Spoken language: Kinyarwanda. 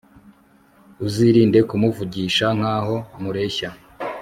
uzirinde kumuvugisha nk'aho mureshya